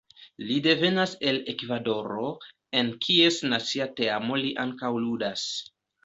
Li devenas el Ekvadoro, en kies nacia teamo li ankaŭ ludas.